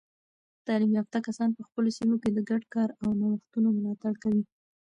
تعلیم یافته کسان په خپلو سیمو کې د ګډ کار او نوښتونو ملاتړ کوي.